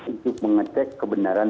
untuk mengecek kebenaran